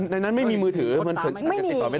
ในนั้นไม่มีมือถือมันอาจจะติดต่อไม่ได้